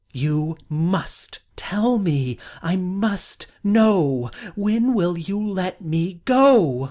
"You must tell me. I must know. When will you let me go?"